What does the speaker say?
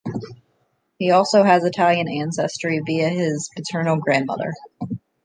He also has Italian ancestry, via his paternal grandmother.